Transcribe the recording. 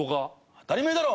当たり前だろ！